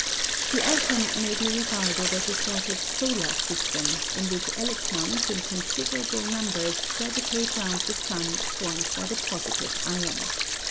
The atom may be regarded as a sort of solar system in which electrons in considerable numbers gravitate round the sun formed by the positive ion.